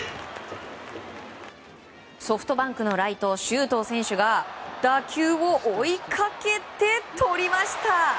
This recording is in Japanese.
ソフトバンクのライト周東選手が打球を追いかけて、とりました！